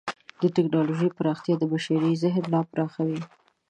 د ټکنالوجۍ پراختیا د بشري ذهن لا پراخوي.